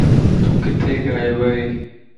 تو ڪٿي غائب ائين؟